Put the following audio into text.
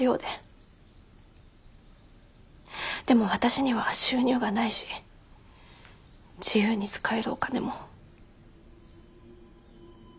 でも私には収入がないし自由に使えるお金も。